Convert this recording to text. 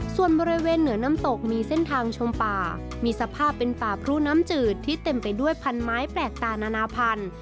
ส่วนบริเวณเหนือน้ำตกมีเส้นทางชมป่ามีสภาพเป็นป่าพรุน้ำจืดที่เต็มไปด้วยพันไม้แปลกตานานาพันธุ์